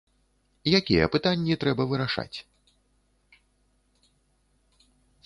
Якія пытанні трэба вырашаць?